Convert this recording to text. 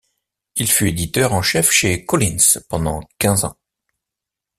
Il fut éditeur en chef chez Collins pendant quinze ans.